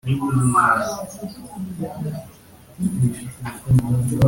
ni irihe tandukaniro riri hagati y’inyandiko za brahmana